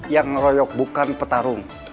yang ngeroyok bukan petarung